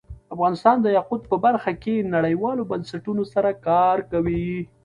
افغانستان د یاقوت په برخه کې نړیوالو بنسټونو سره کار کوي.